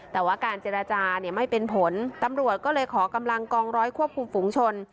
แต่ว่าการเจรจาเนี่ยไม่เป็นผลตำรวจก็เลยขอกำลังกองร้อยควบคุมฝุงชน